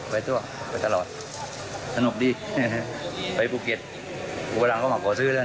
ไปตัวไปตลอดสนุกดีไปภูเกียร์อุปรังเข้ามาขอซื้อแล้วนะ